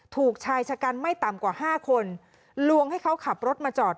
ถูกชายชะกันไม่ต่ำกว่า๕คนลวงให้เขาขับรถมาจอด